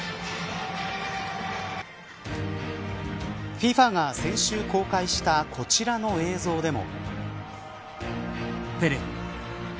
ＦＩＦＡが先週公開したこちらの映像でも。